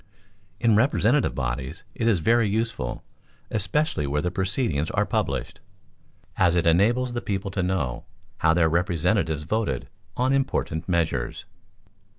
In representative bodies it is very useful, especially where the proceedings are published, as it enables the people to know how their representatives voted on important measures.